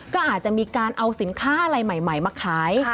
ก็อาจจะมีการเอาสินค้าอะไรใหม่มาขาย